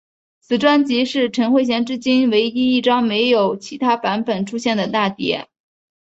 此专辑是陈慧娴至今唯一一张没有以其他版本出现的大碟。